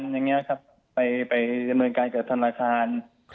ธนาคารไปเมืองการกับธนาคาร